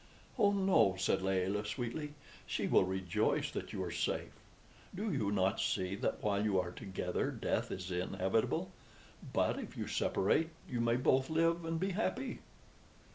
"Oh no," said Layelah, sweetly; "she will rejoice that you are safe. Do you not see that while you are together death is inevitable, but if you separate you may both live and be happy?"